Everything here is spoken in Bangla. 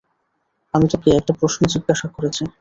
তিনি তোকে একটা প্রশ্ন জিজ্ঞাসা করেছে!